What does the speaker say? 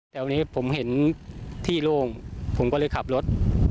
แต่วันนี้ผมเห็นที่โล่งผมก็เลยขับรถ